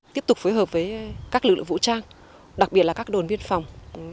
tiếp tục phối hợp với các lực lượng vũ trang đặc biệt là các đồn biên phòng